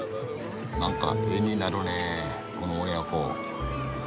なんか絵になるねこの親子。